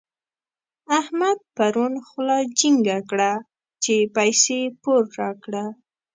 احمد پرون خوله چينګه کړه چې پيسې پور راکړه.